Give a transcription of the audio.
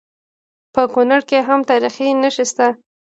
په کونړ کې هم تاریخي نښې شته